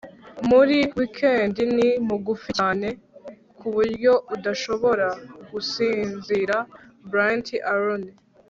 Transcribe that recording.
muri wikendi ni mugufi cyane ku buryo udashobora gusinzira! - bryant a loney